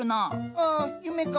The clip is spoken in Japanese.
ああ夢か。